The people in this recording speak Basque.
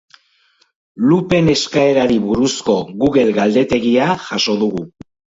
Lupen eskaerari buruzko google galdetegia jaso dugu.